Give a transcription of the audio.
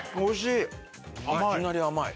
いきなり甘い。